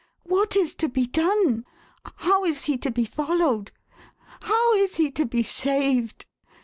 What is to be done ? How is he to be followed ? How is he to be saved